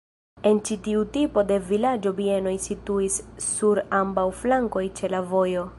En ĉi tiu tipo de vilaĝo bienoj situis sur ambaŭ flankoj ĉe la vojo.